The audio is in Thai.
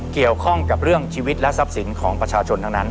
เกี่ยวข้องกับเรื่องชีวิตและทรัพย์สินของประชาชนทั้งนั้น